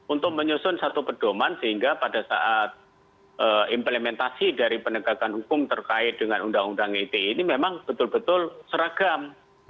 untuk menyusun satu pedoman sehingga pada saat implementasi dari penegakan hukum terkait dengan undang undang ite ini memang betul betul seragam